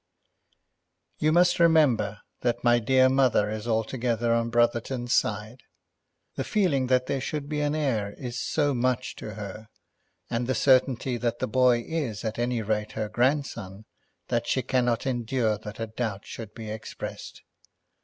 "You must remember that my dear mother is altogether on Brotherton's side. The feeling that there should be an heir is so much to her, and the certainty that the boy is at any rate her grandson, that she cannot endure that a doubt should be expressed.